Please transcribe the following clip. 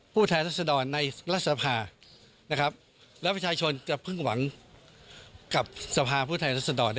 ดูนะถ่ายไปถ่ายไป